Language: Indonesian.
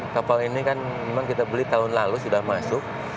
kapal ini kan memang kita beli tahun lalu sudah masuk